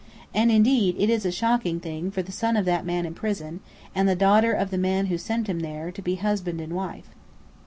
And indeed, it is a shocking thing for the son of that man in prison, and the daughter of the man who sent him there, to be husband and wife."